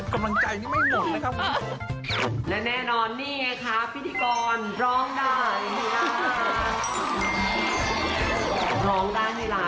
กำลังใจนี่ไม่หมดนะครับ